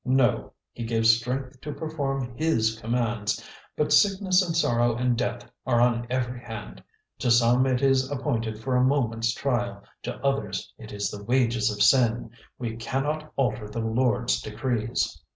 "No. He gives strength to perform His commands. But sickness and sorrow and death are on every hand; to some it is appointed for a moment's trial, to others it is the wages of sin. We can not alter the Lord's decrees."